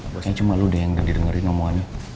pokoknya cuma lo deh yang udah didengerin ngomongannya